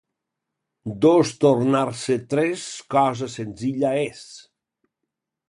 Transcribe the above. Dos tornar-se tres, cosa senzilla és.